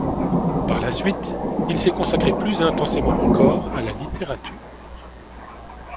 Par la suite, il s'est consacré plus intensément encore à la littérature.